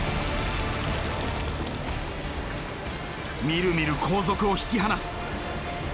みるみる後続を引き離す。